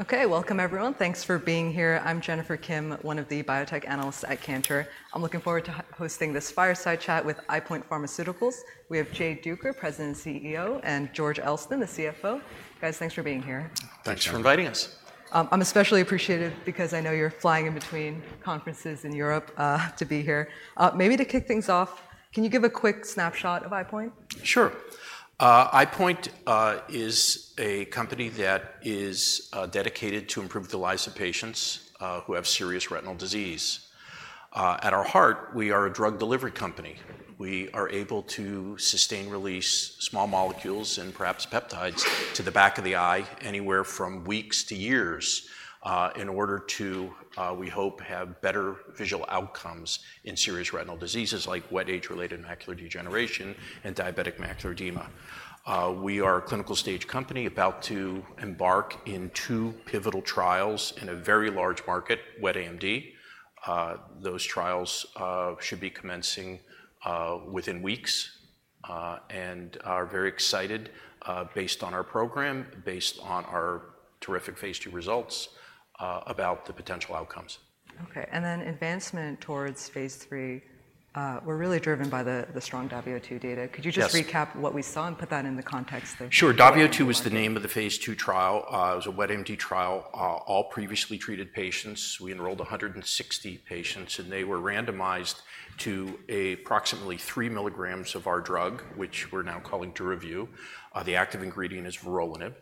Okay, welcome everyone. Thanks for being here. I'm Jennifer Kim, one of the biotech analysts at Cantor. I'm looking forward to hosting this fireside chat with EyePoint Pharmaceuticals. We have Jay Duker, President and CEO, and George Elston, the CFO. Guys, thanks for being here. Thanks. Thanks for inviting us. I'm especially appreciative because I know you're flying in between conferences in Europe, to be here. Maybe to kick things off, can you give a quick snapshot of EyePoint? Sure. EyePoint is a company that is dedicated to improve the lives of patients who have serious retinal disease. At our heart, we are a drug delivery company. We are able to sustain release small molecules and perhaps peptides to the back of the eye, anywhere from weeks to years, in order to, we hope, have better visual outcomes in serious retinal diseases like wet age-related macular degeneration and diabetic macular edema. We are a clinical stage company about to embark in two pivotal trials in a very large market, wet AMD. Those trials should be commencing within weeks and are very excited, based on our program, based on our terrific phase II results, about the potential outcomes. Okay, and then advancement towards phase III were really driven by the strong DAVIO 2 data. Yes. Could you just recap what we saw and put that in the context of? Sure. DAVIO 2 was the name of the phase II trial. It was a wet AMD trial, all previously treated patients. We enrolled 160 patients, and they were randomized to approximately 3 mg of our drug, which we're now calling Duravyu. The active ingredient is vorolanib.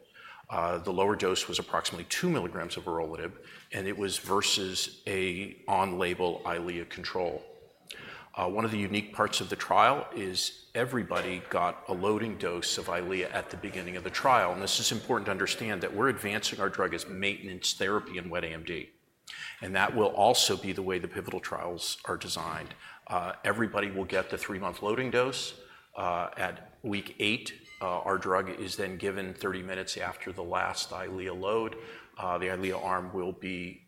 The lower dose was approximately 2 mg of vorolanib, and it was versus an on-label Eylea control. One of the unique parts of the trial is everybody got a loading dose of Eylea at the beginning of the trial, and this is important to understand, that we're advancing our drug as maintenance therapy in wet AMD, and that will also be the way the pivotal trials are designed. Everybody will get the three-month loading dose, at week eight. Our drug is then given 30 minutes after the last Eylea load. The Eylea arm will be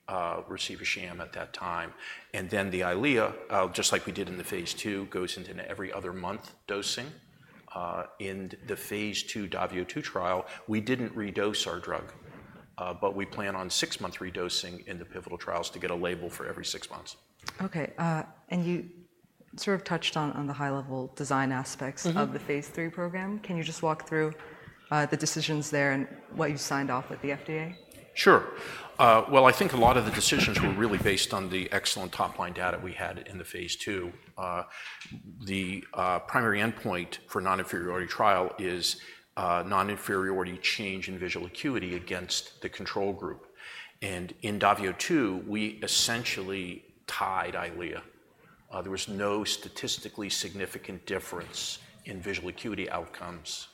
receive a sham at that time, and then the Eylea, just like we did in the phase II, goes into every other month dosing. In the phase II DAVIO 2 trial, we didn't redose our drug, but we plan on six-month redosing in the pivotal trials to get a label for every six months. Okay, and you sort of touched on the high-level design aspects of the phase III program. Can you just walk through the decisions there and what you signed off at the FDA? Sure. Well, I think a lot of the decisions were really based on the excellent top-line data we had in the phase II. The primary endpoint for non-inferiority trial is non-inferiority change in visual acuity against the control group, and in DAVIO 2, we essentially tied Eylea. There was no statistically significant difference in visual acuity outcomes.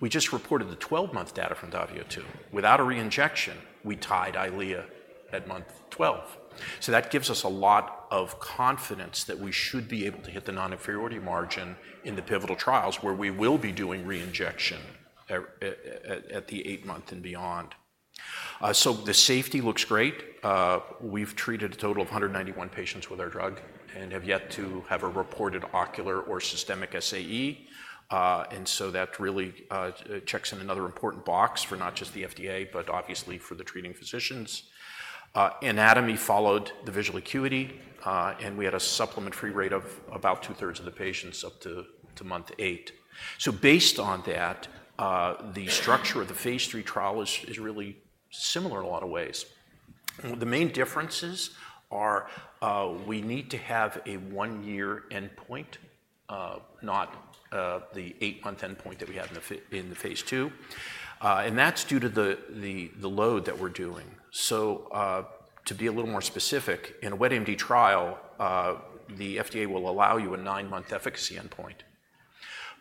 We just reported the 12-month data from DAVIO 2. Without a re-injection, we tied Eylea at month 12, so that gives us a lot of confidence that we should be able to hit the non-inferiority margin in the pivotal trials, where we will be doing re-injection at the 8-month and beyond, so the safety looks great. We've treated a total of 191 patients with our drug and have yet to have a reported ocular or systemic SAE. And so that really checks in another important box for not just the FDA, but obviously for the treating physicians. Anatomy followed the visual acuity, and we had a supplement-free rate of about two-thirds of the patients up to month eight. So based on that, the structure of the phase III trial is really similar in a lot of ways. The main differences are, we need to have a one-year endpoint, not the eight-month endpoint that we had in the phase II. And that's due to the load that we're doing. So, to be a little more specific, in a wet AMD trial, the FDA will allow you a nine-month efficacy endpoint,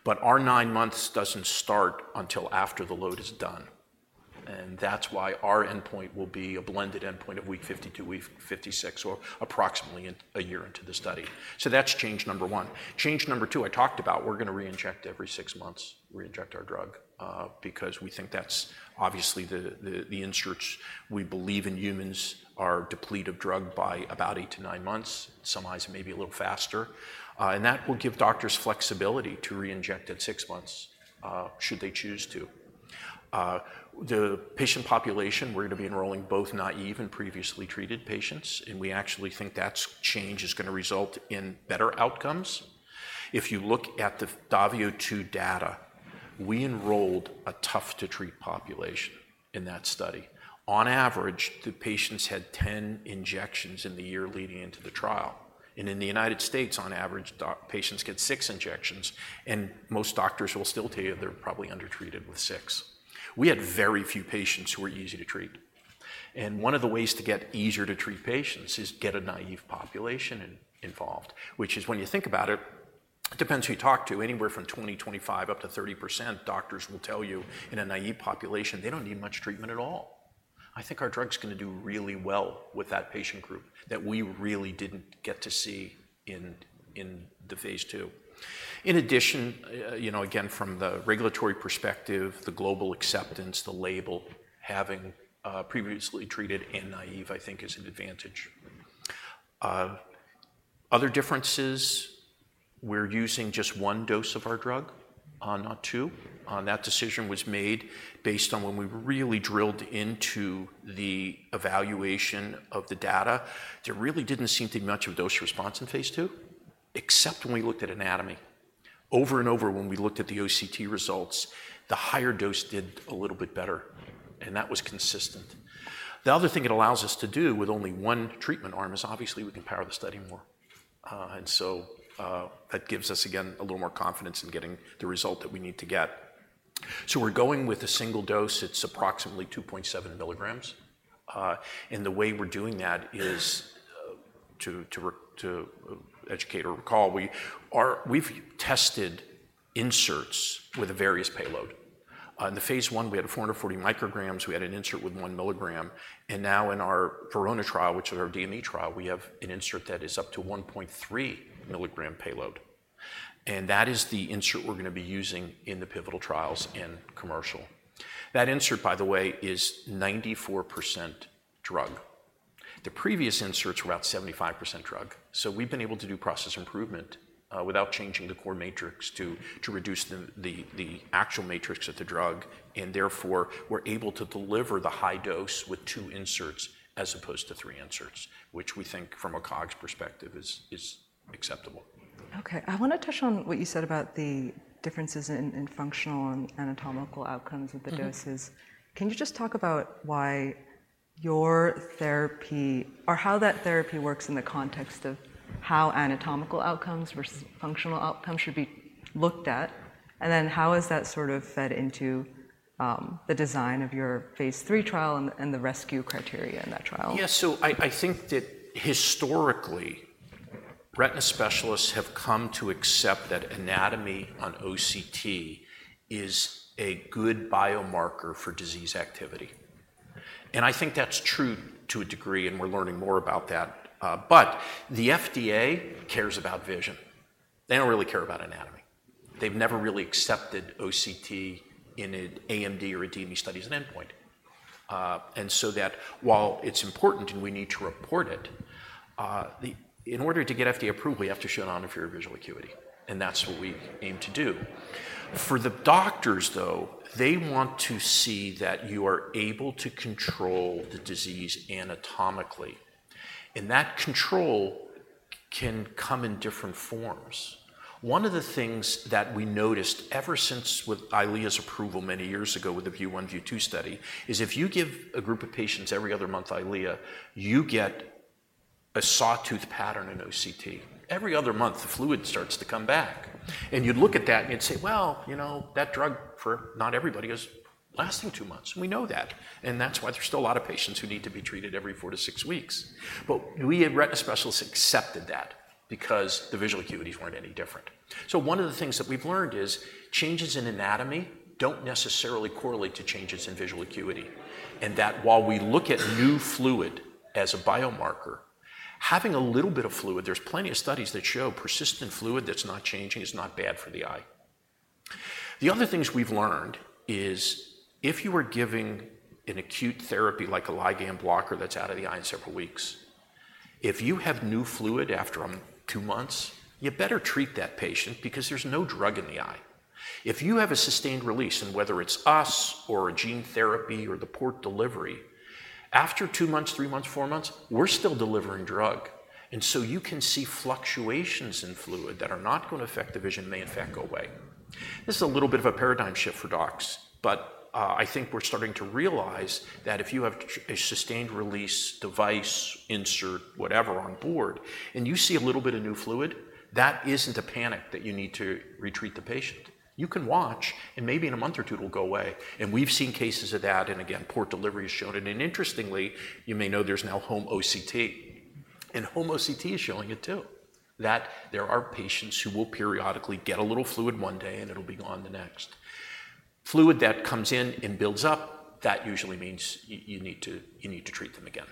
but our nine months doesn't start until after the load is done, and that's why our endpoint will be a blended endpoint of week fifty-two, week fifty-six, or approximately in a year into the study. So that's change number one. Change number two, I talked about we're gonna re-inject every six months, re-inject our drug, because we think that's obviously the inserts we believe in humans are deplete of drug by about eight to nine months. Some eyes may be a little faster. And that will give doctors flexibility to re-inject at six months, should they choose to. The patient population, we're gonna be enrolling both naive and previously treated patients, and we actually think that change is gonna result in better outcomes. If you look at the DAVIO 2 data, we enrolled a tough-to-treat population in that study. On average, the patients had 10 injections in the year leading into the trial, and in the United States, on average, patients get six injections, and most doctors will still tell you they're probably undertreated with six. We had very few patients who were easy to treat, and one of the ways to get easier to treat patients is get a naive population involved, which is, when you think about it, it depends who you talk to. Anywhere from 20%, 25%, up to 30% doctors will tell you, in a naive population, they don't need much treatment at all. I think our drug's gonna do really well with that patient group that we really didn't get to see in the phase II. In addition, you know, again, from the regulatory perspective, the global acceptance, the label, having previously treated and naive, I think is an advantage. Other differences, we're using just one dose of our drug, not two. That decision was made based on when we really drilled into the evaluation of the data. There really didn't seem to be much of dose response in phase II, except when we looked at anatomy. Over and over, when we looked at the OCT results, the higher dose did a little bit better, and that was consistent. The other thing it allows us to do with only one treatment arm is, obviously, we can power the study more. That gives us, again, a little more confidence in getting the result that we need to get. So we're going with a single dose. It's approximately 2.7 mg. And the way we're doing that is to re-educate or recall, we've tested inserts with various payload. In the phase I, we had 440 µg, we had an insert with 1 mg, and now in our VERONA trial, which is our DME trial, we have an insert that is up to 1.3 mg payload. And that is the insert we're gonna be using in the pivotal trials in commercial. That insert, by the way, is 94% drug. The previous inserts were about 75% drug. So we've been able to do process improvement without changing the core matrix to reduce the actual matrix of the drug, and therefore, we're able to deliver the high dose with two inserts as opposed to three inserts, which we think, from a COGS perspective, is acceptable. Okay, I want to touch on what you said about the differences in, in functional and anatomical outcomes of the doses. Mm-hmm. Can you just talk about why your therapy... or how that therapy works in the context of how anatomical outcomes versus functional outcomes should be looked at, and then, how is that sort of fed into the design of your phase III trial and the rescue criteria in that trial? Yeah, so I think that historically, retina specialists have come to accept that anatomy on OCT is a good biomarker for disease activity, and I think that's true to a degree, and we're learning more about that, but the FDA cares about vision. They don't really care about anatomy. They've never really accepted OCT in an AMD or a DME study as an endpoint, and so that while it's important and we need to report it, in order to get FDA approval, you have to show non-inferior visual acuity, and that's what we aim to do. For the doctors, though, they want to see that you are able to control the disease anatomically, and that control can come in different forms. One of the things that we noticed ever since with Eylea's approval many years ago with the VIEW 1, VIEW 2 study, is if you give a group of patients every other month Eylea, you get a sawtooth pattern in OCT. Every other month, the fluid starts to come back, and you'd look at that and you'd say: "Well, you know, that drug for not everybody is lasting two months." We know that, and that's why there's still a lot of patients who need to be treated every four to six weeks. But we at Retina Specialists accepted that because the visual acuities weren't any different. So one of the things that we've learned is changes in anatomy don't necessarily correlate to changes in visual acuity, and that while we look at new fluid as a biomarker, having a little bit of fluid, there's plenty of studies that show persistent fluid that's not changing is not bad for the eye. The other things we've learned is if you were giving an acute therapy like a ligand blocker that's out of the eye in several weeks, if you have new fluid after two months, you better treat that patient because there's no drug in the eye. If you have a sustained release, and whether it's us or a gene therapy or the port delivery, after two months, three months, four months, we're still delivering drug, and so you can see fluctuations in fluid that are not going to affect the vision, may in fact, go away. This is a little bit of a paradigm shift for docs, but I think we're starting to realize that if you have a sustained-release device, insert, whatever on board, and you see a little bit of new fluid, that isn't a panic that you need to retreat the patient. You can watch, and maybe in a month or two, it'll go away. And we've seen cases of that, and again, port delivery has shown it. And interestingly, you may know there's now home OCT, and home OCT is showing it, too, that there are patients who will periodically get a little fluid one day, and it'll be gone the next. Fluid that comes in and builds up, that usually means you need to treat them again.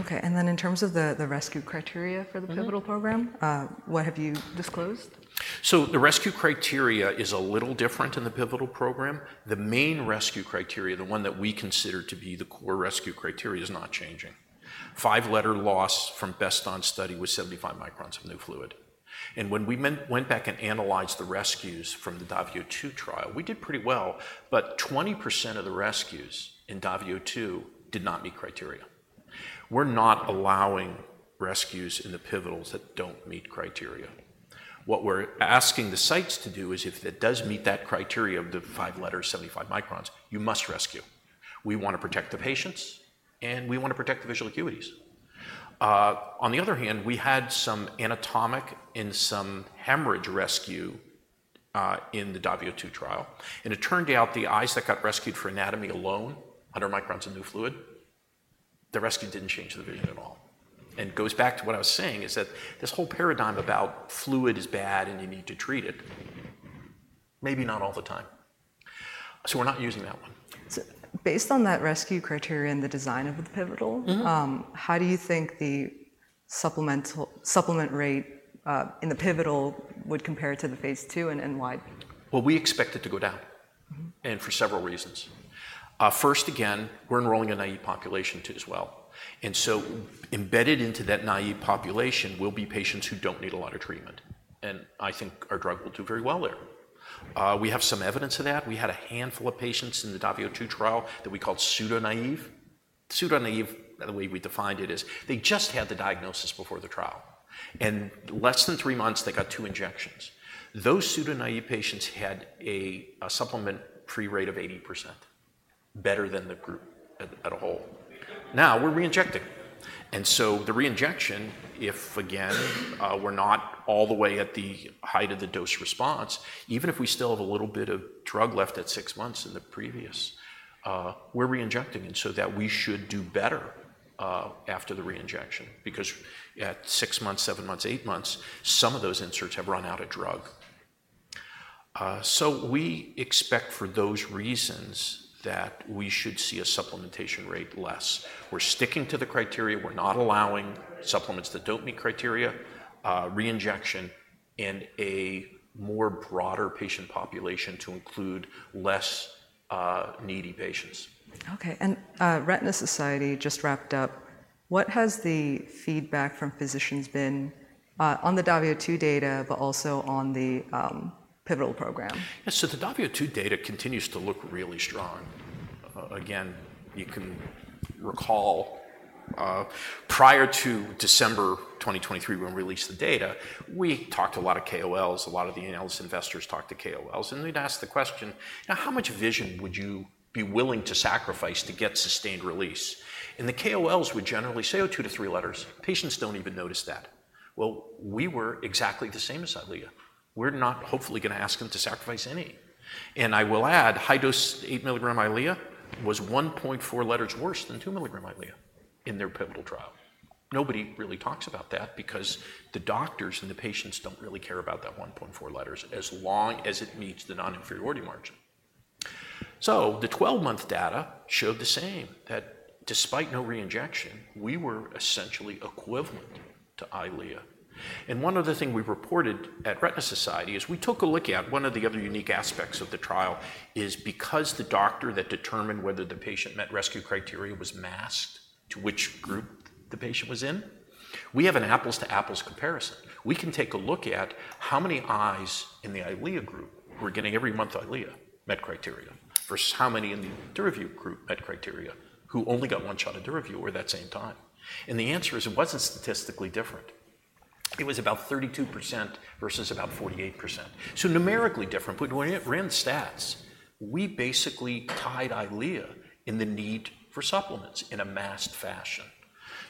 Okay, and then in terms of the rescue criteria for the pivotal program, what have you disclosed? The rescue criteria is a little different in the pivotal program. The main rescue criteria, the one that we consider to be the core rescue criteria, is not changing. Five-letter loss from best on study with 75 microns of new fluid. When we went back and analyzed the rescues from the DAVIO 2 trial, we did pretty well, but 20% of the rescues in DAVIO 2 did not meet criteria. We're not allowing rescues in the pivotals that don't meet criteria. What we're asking the sites to do is if it does meet that criteria of the five letters, 75 microns, you must rescue. We want to protect the patients, and we want to protect the visual acuities. On the other hand, we had some anatomic and some hemorrhage rescue in the DAVIO 2 trial, and it turned out the eyes that got rescued for anatomy alone, under 100 microns of new fluid, the rescue didn't change the vision at all. And it goes back to what I was saying, is that this whole paradigm about fluid is bad and you need to treat it, maybe not all the time. So we're not using that one. Based on that rescue criteria and the design of the pivotal- Mm-hmm.... how do you think the supplement rate in the pivotal would compare to the phase II and why? We expect it to go down and for several reasons. First, again, we're enrolling a naive population, too, as well. And so embedded into that naive population will be patients who don't need a lot of treatment, and I think our drug will do very well there. We have some evidence of that. We had a handful of patients in the DAVIO 2 trial that we called pseudo-naive. Pseudo-naive, the way we defined it, is they just had the diagnosis before the trial, and less than three months, they got two injections. Those pseudo-naive patients had a supplement-free rate of 80%, better than the group as a whole. Now, we're reinjecting, and so the reinjection, if, again, we're not all the way at the height of the dose response, even if we still have a little bit of drug left at six months in the previous, we're reinjecting, and so that we should do better after the reinjection. Because at six months, seven months, eight months, some of those inserts have run out of drug. So we expect for those reasons that we should see a supplementation rate less. We're sticking to the criteria. We're not allowing supplements that don't meet criteria, reinjection, and a more broader patient population to include less needy patients. Okay, and Retina Society just wrapped up. What has the feedback from physicians been on the DAVIO 2 data, but also on the pivotal program? Yeah, so the DAVIO 2 data continues to look really strong. Again, you can recall, prior to December 2023, when we released the data, we talked to a lot of KOLs, a lot of the analyst investors talked to KOLs, and they'd ask the question: "Now, how much vision would you be willing to sacrifice to get sustained release?" And the KOLs would generally say, "Oh, two to three letters. Patients don't even notice that." Well, we were exactly the same as Eylea. We're not hopefully gonna ask them to sacrifice any. And I will add, high-dose 8 mg Eylea was 1.4 letters worse than 2 mg Eylea in their pivotal trial. Nobody really talks about that because the doctors and the patients don't really care about that 1.4 letters, as long as it meets the non-inferiority margin. So the 12-month data showed the same, that despite no reinjection, we were essentially equivalent to Eylea. And one other thing we reported at Retina Society is we took a look at one of the other unique aspects of the trial is because the doctor that determined whether the patient met rescue criteria was masked to which group the patient was in, we have an apples-to-apples comparison. We can take a look at how many eyes in the Eylea group who were getting every month Eylea met criteria, versus how many in the Duravyu group met criteria, who only got one shot of Duravyu over that same time. And the answer is, it wasn't statistically different. It was about 32% versus about 48%. So numerically different, but when it ran stats, we basically tied Eylea in the need for supplements in a masked fashion.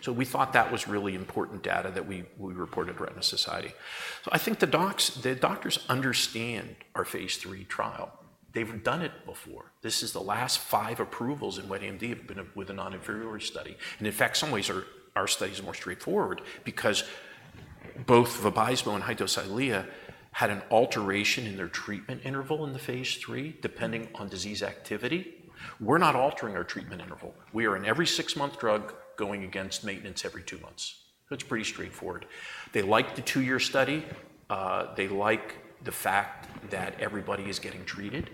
We thought that was really important data that we reported at Retina Society. I think the doctors understand our phase III trial. They've done it before. This is the last five approvals in wet AMD have been with a non-inferiority study, and in fact, some ways our study is more straightforward because both Vabysmo and high-dose Eylea had an alteration in their treatment interval in the phase III, depending on disease activity. We're not altering our treatment interval. We are an every six-month drug going against maintenance every two months. That's pretty straightforward. They like the two-year study. They like the fact that everybody is getting treated,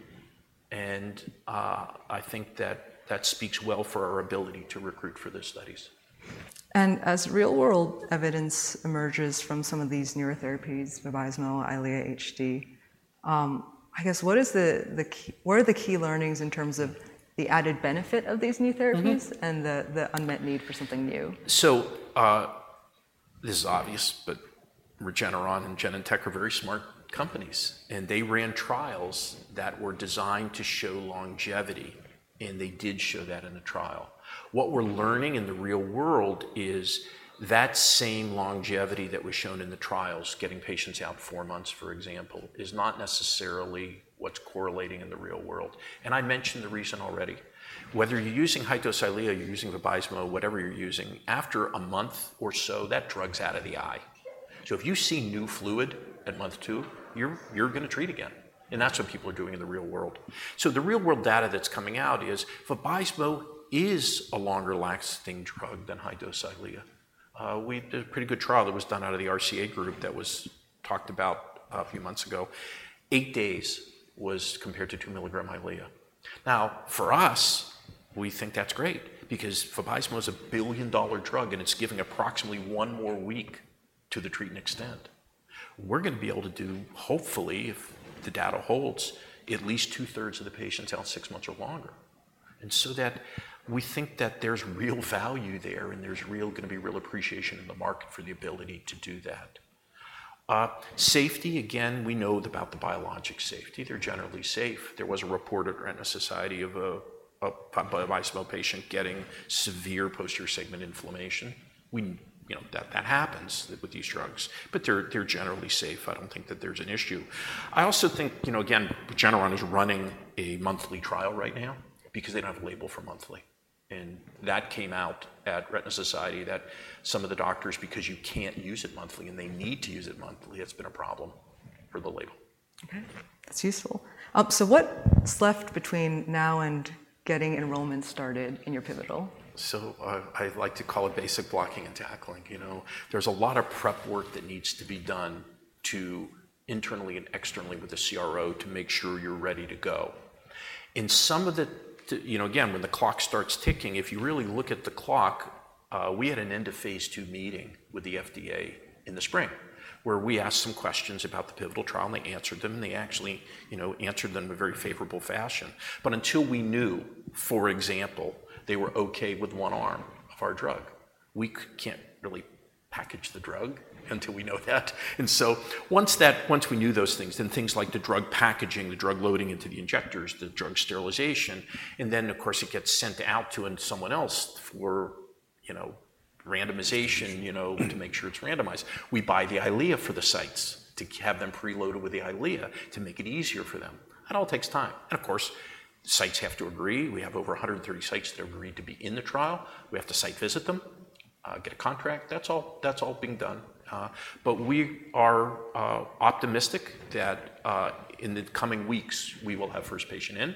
and I think that that speaks well for our ability to recruit for the studies. As real-world evidence emerges from some of these newer therapies, Vabysmo, Eylea HD, I guess what is the key, what are the key learnings in terms of the added benefit of these new therapies and the unmet need for something new? So, this is obvious, but Regeneron and Genentech are very smart companies, and they ran trials that were designed to show longevity, and they did show that in the trial. What we're learning in the real world is that same longevity that was shown in the trials, getting patients out four months, for example, is not necessarily what's correlating in the real world, and I mentioned the reason already. Whether you're using high-dose Eylea, you're using Vabysmo, whatever you're using, after a month or so, that drug's out of the eye. So if you see new fluid at month two, you're gonna treat again, and that's what people are doing in the real world. So the real-world data that's coming out is Vabysmo is a longer-lasting drug than high-dose Eylea. We... A pretty good trial that was done out of the RCA group that was talked about a few months ago, eight days was compared to 2 mg Eylea. Now, for us, we think that's great because Vabysmo is a billion-dollar drug, and it's giving approximately one more week to the treat and extend. We're gonna be able to do, hopefully, if the data holds, at least two-thirds of the patients out six months or longer. And so that we think that there's real value there, and there's real gonna be real appreciation in the market for the ability to do that. Safety, again, we know about the biologic safety. They're generally safe. There was a report at Retina Society of a Vabysmo patient getting severe posterior segment inflammation. You know, that happens with these drugs, but they're generally safe. I don't think that there's an issue. I also think, you know, again, Regeneron is running a monthly trial right now because they don't have a label for monthly, and that came out at Retina Society, that some of the doctors, because you can't use it monthly, and they need to use it monthly, it's been a problem for the label. Okay, that's useful. So what's left between now and getting enrollment started in your pivotal? So, I like to call it basic blocking and tackling. You know, there's a lot of prep work that needs to be done to internally and externally with the CRO to make sure you're ready to go. In some of the, you know, again, when the clock starts ticking, if you really look at the clock, we had an end-of-phase II meeting with the FDA in the spring, where we asked some questions about the pivotal trial, and they answered them, and they actually, you know, answered them in a very favorable fashion. But until we knew, for example, they were okay with one arm of our drug, we can't really package the drug until we know that. And so once we knew those things, then things like the drug packaging, the drug loading into the injectors, the drug sterilization, and then, of course, it gets sent out to someone else for, you know, randomization. You know, to make sure it's randomized, we buy the Eylea for the sites to have them preloaded with the Eylea to make it easier for them. That all takes time. And of course, sites have to agree. We have over one hundred and thirty sites that agreed to be in the trial. We have to site visit them, get a contract. That's all, that's all being done, but we are optimistic that in the coming weeks, we will have first patient in,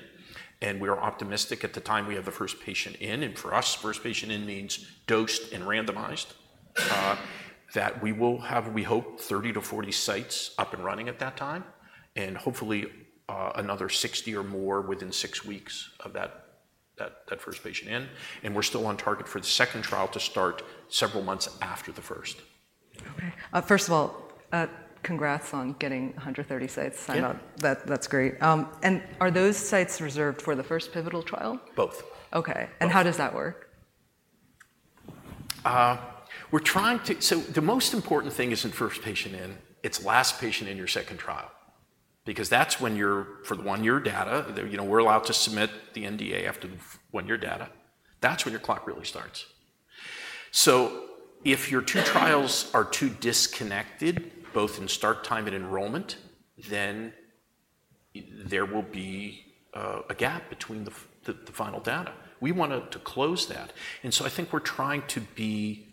and we are optimistic at the time we have the first patient in, and for us, first patient in means dosed and randomized, that we will have, we hope, thirty to forty sites up and running at that time, and hopefully, another sixty or more within six weeks of that first patient in. We're still on target for the second trial to start several months after the first. Okay. First of all, congrats on getting 130 sites signed up. Yeah. That, that's great, and are those sites reserved for the first pivotal trial? Both. Okay. How does that work? We're trying to. So the most important thing isn't first patient in, it's last patient in your second trial. Because that's when you're, for the one-year data, we're allowed to submit the NDA after the one-year data. That's when your clock really starts. So if your two trials are too disconnected, both in start time and enrollment, then there will be a gap between the final data. We want to close that. And so I think we're trying to be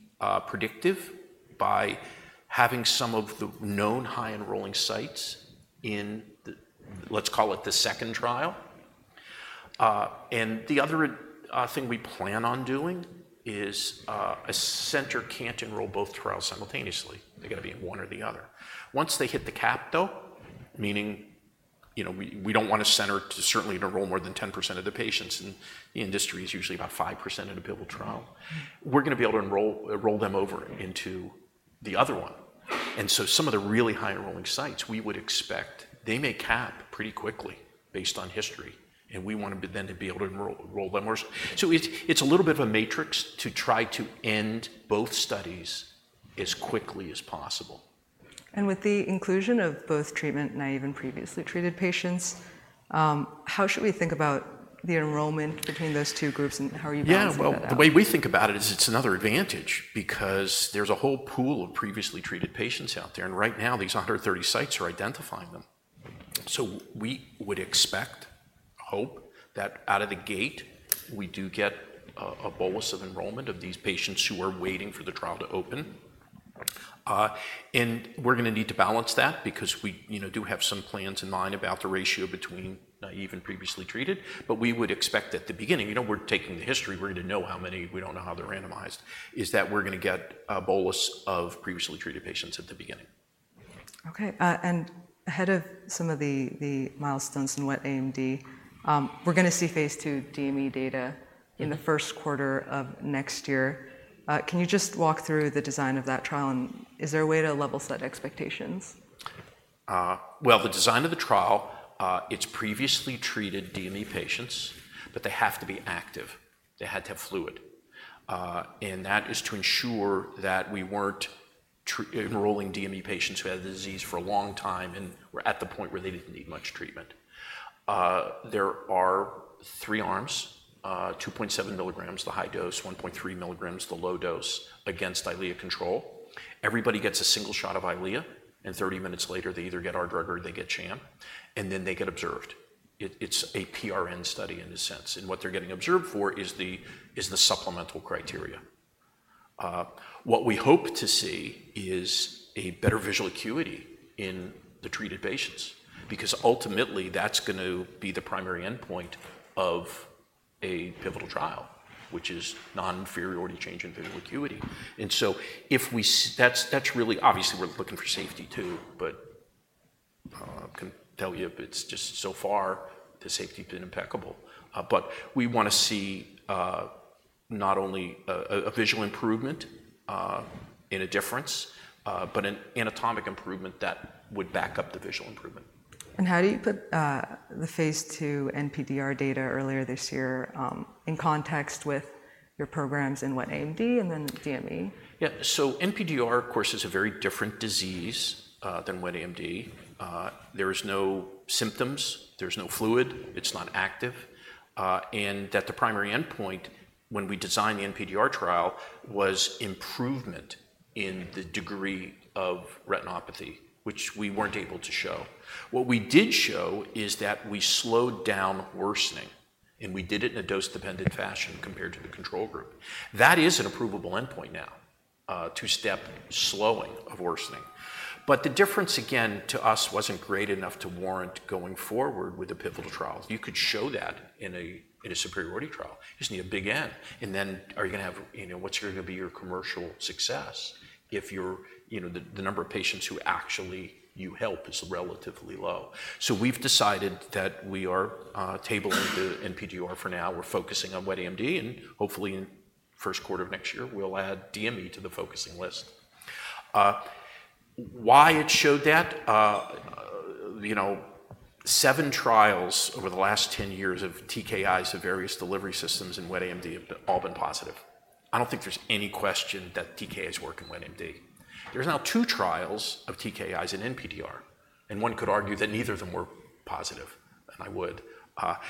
predictive by having some of the known high enrolling sites in the, let's call it the second trial. And the other thing we plan on doing is, a center can't enroll both trials simultaneously. They're gonna be in one or the other. Once they hit the cap, though, meaning, you know, we don't want a center to certainly enroll more than 10% of the patients, and the industry is usually about 5% in a pivotal trial. We're gonna be able to enroll, roll them over into the other one, and so some of the really high enrolling sites we would expect they may cap pretty quickly based on history, and we want to be able to enroll, roll them more, so it's a little bit of a matrix to try to end both studies as quickly as possible. With the inclusion of both treatment-naive and previously treated patients, how should we think about the enrollment between those two groups, and how are you balancing that out? Yeah, well, the way we think about it is it's another advantage because there's a whole pool of previously treated patients out there, and right now, these 130 sites are identifying them. So we would expect, hope, that out of the gate, we do get a bolus of enrollment of these patients who are waiting for the trial to open. And we're gonna need to balance that because we, you know, do have some plans in mind about the ratio between naive and previously treated. But we would expect at the beginning, you know, we're taking the history, we're gonna know how many. We don't know how they're randomized. It's that we're gonna get a bolus of previously treated patients at the beginning. Okay, and ahead of some of the milestones in wet AMD, we're gonna see phase II DME data in the first quarter of next year. Can you just walk through the design of that trial, and is there a way to level set expectations? The design of the trial, it's previously treated DME patients, but they have to be active. They had to have fluid, and that is to ensure that we weren't enrolling DME patients who had the disease for a long time and were at the point where they didn't need much treatment. There are three arms: 2.7 mg, the high dose, 1.3 mg, the low dose, against Eylea control. Everybody gets a single shot of Eylea, and thirty minutes later, they either get our drug or they get sham, and then they get observed. It's a PRN study in a sense, and what they're getting observed for is the supplemental criteria. What we hope to see is a better visual acuity in the treated patients, because ultimately, that's going to be the primary endpoint of a pivotal trial, which is non-inferiority change in visual acuity. That's really... Obviously, we're looking for safety, too, but I can tell you, it's just so far, the safety's been impeccable. But we wanna see not only a visual improvement and a difference, but an anatomic improvement that would back up the visual improvement. How do you put the phase II NPDR data earlier this year in context with your programs in wet AMD and then DME? Yeah, so NPDR, of course, is a very different disease than wet AMD. There is no symptoms, there's no fluid, it's not active, and that the primary endpoint when we designed the NPDR trial was improvement in the degree of retinopathy, which we weren't able to show. What we did show is that we slowed down worsening and we did it in a dose-dependent fashion compared to the control group. That is an approvable endpoint now, two-step slowing of worsening. But the difference, again, to us, wasn't great enough to warrant going forward with the pivotal trials. You could show that in a superiority trial. You just need a big N, and then are you gonna have, you know, what's gonna be your commercial success if you're, you know, the number of patients who actually you help is relatively low? So we've decided that we are tabling the NPDR for now. We're focusing on wet AMD, and hopefully, in the first quarter of next year, we'll add DME to the focusing list. Why it showed that? You know, seven trials over the last ten years of TKIs of various delivery systems in wet AMD have all been positive. I don't think there's any question that TKIs work in wet AMD. There's now two trials of TKIs in NPDR, and one could argue that neither of them were positive, and I would.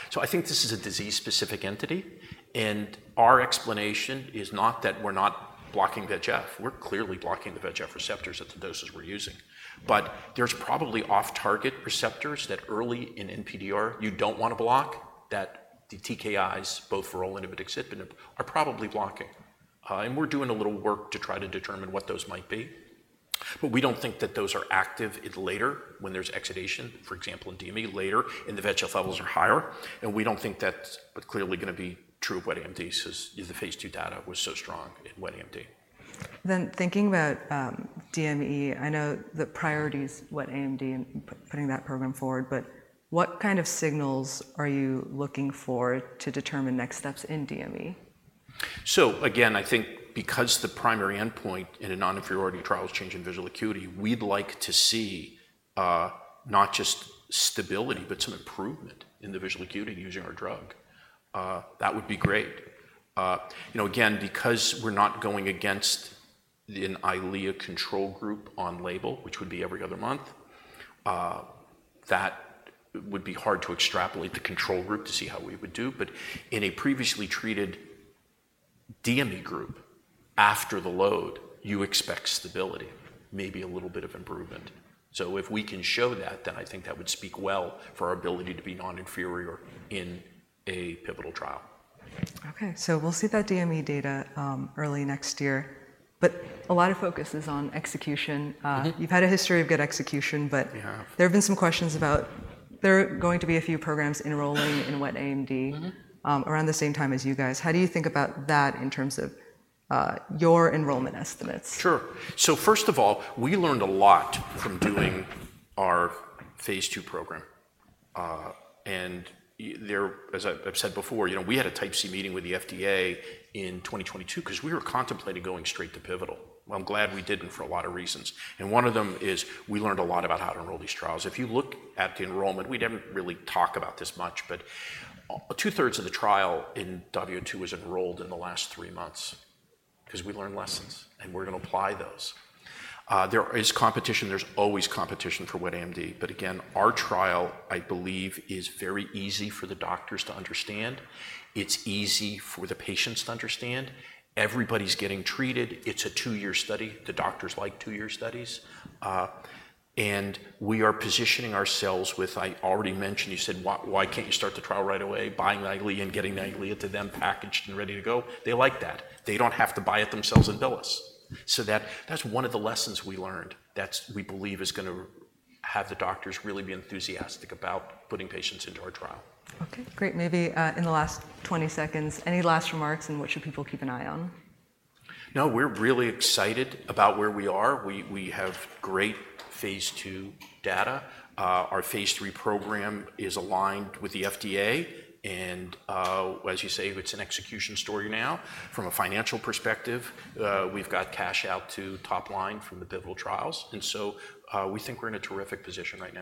So I think this is a disease-specific entity, and our explanation is not that we're not blocking VEGF. We're clearly blocking the VEGF receptors at the doses we're using. But there's probably off-target receptors that early in NPDR you don't want to block, that the TKIs, both vorolanib and axitinib, are probably blocking. And we're doing a little work to try to determine what those might be, but we don't think that those are active at later when there's exudation, for example, in DME later, and the VEGF levels are higher, and we don't think that's clearly gonna be true of wet AMD, so as the phase II data was so strong in wet AMD. Then thinking about DME, I know the priority is wet AMD and putting that program forward, but what kind of signals are you looking for to determine next steps in DME? So again, I think because the primary endpoint in a non-inferiority trial is change in visual acuity, we'd like to see, not just stability, but some improvement in the visual acuity using our drug. That would be great. You know, again, because we're not going against an Eylea control group on label, which would be every other month, that would be hard to extrapolate the control group to see how we would do. But in a previously treated DME group, after the load, you expect stability, maybe a little bit of improvement. So if we can show that, then I think that would speak well for our ability to be non-inferior in a pivotal trial. Okay, so we'll see that DME data, early next year. But a lot of focus is on execution. You've had a history of good execution, but- We have. There have been some questions about... There are going to be a few programs enrolling in wet AMD around the same time as you guys. How do you think about that in terms of, your enrollment estimates? Sure. So first of all, we learned a lot from doing our phase II program. And there, as I've said before, you know, we had a Type C meeting with the FDA in 2022 'cause we were contemplating going straight to pivotal. Well, I'm glad we didn't for a lot of reasons, and one of them is we learned a lot about how to enroll these trials. If you look at the enrollment, we didn't really talk about this much, but two-thirds of the trial in wet AMD was enrolled in the last three months 'cause we learned lessons, and we're gonna apply those. There is competition. There's always competition for wet AMD, but again, our trial, I believe, is very easy for the doctors to understand. It's easy for the patients to understand. Everybody's getting treated. It's a two-year study. The doctors like two-year studies. And we are positioning ourselves with... I already mentioned, you said, "Why, why can't you start the trial right away?" Buying the Eylea and getting the Eylea to them packaged and ready to go, they like that. They don't have to buy it themselves and bill us. So that, that's one of the lessons we learned, that's we believe is gonna have the doctors really be enthusiastic about putting patients into our trial. Okay, great. Maybe, in the last twenty seconds, any last remarks and what should people keep an eye on? No, we're really excited about where we are. We have great phase II data. Our phase III program is aligned with the FDA, and as you say, it's an execution story now. From a financial perspective, we've got cash out to top line from the pivotal trials, and so we think we're in a terrific position right now.